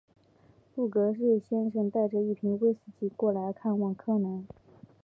富格瑞先生带着一瓶威士忌过来看望柯南。